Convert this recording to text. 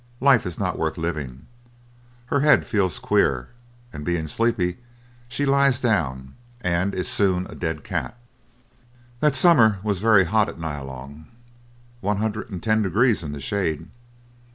Life is not worth living." Her head feels queer, and being sleepy she lies down, and is soon a dead cat. That summer was very hot at Nyalong, one hundred and ten degrees in the shade.